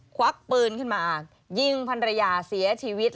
ควักปืนขึ้นมายิงพันรยาเสียชีวิต